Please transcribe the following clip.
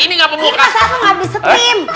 ini pas aku ga di steam